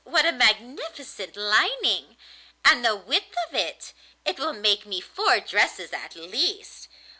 what a magnificent lining! And the width of it! It will make me four dresses at least.